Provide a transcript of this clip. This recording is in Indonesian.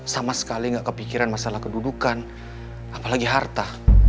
sama sekali nggak kepikiran masalah kedudukan apalagi harta